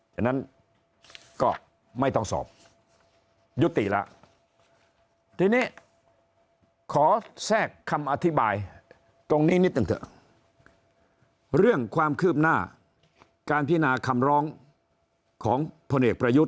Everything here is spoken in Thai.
ฉะนั้นก็ไม่ต้องสอบยุติแล้วทีนี้ขอแทรกคำอธิบายตรงนี้นิดหนึ่งเถอะเรื่องความคืบหน้าการพินาคำร้องของพลเอกประยุทธ์